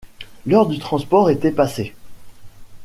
L'heure du transport était passée.